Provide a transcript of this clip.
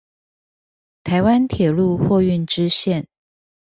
臺灣鐵路貨運支線